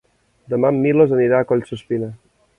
Demà en Milos anirà a Collsuspina.